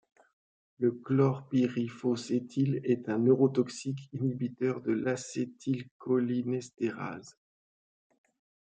Le chlorpyriphos-éthyl est un neurotoxique, inhibiteur de l’acétylcholinestérase.